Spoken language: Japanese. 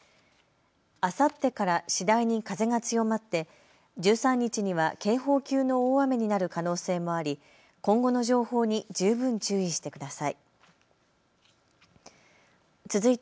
あさってから次第に風が強まって１３日には警報級の大雨になる可能性もあり今後の情報に十分注意してください。